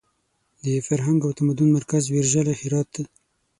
د فرهنګ او تمدن مرکز ویرژلي هرات ته!